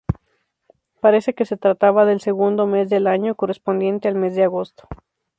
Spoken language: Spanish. Parece que se trataba del segundo mes del año, correspondiente al mes de agosto.